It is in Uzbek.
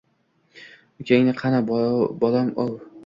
— Ukang qani, bolam-ov?